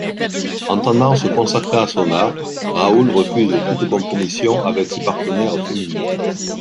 Entendant se consacrer à son art, Raoul refuse toute compromission avec ses partenaires féminines.